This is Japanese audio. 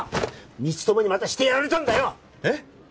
光友にまたしてやられたんだよえっ？